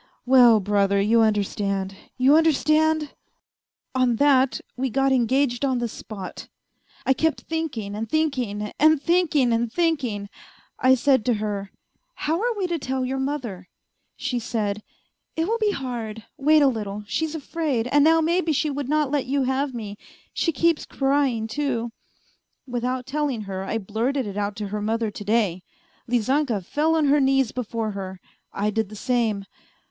Well, brother, you understand ! You understand ?... On that we got engaged on the spot . I kept thinking and thinking and thinking and thinking, I said to her, ' How are we to tell your mother ?' She said, ' It will be hard, wait a little ; she's afraid, and now maybe she would not let you have me; she keeps crying, too.' Without telling her I blurted it out to her mother to day. Lizanka fell on her knees before her, I did the same